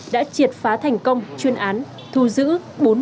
đã triệt phá thành công chuyên án thu giữ